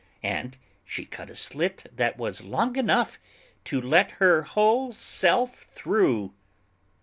And she cut a slit that was long enough To let her whole self through!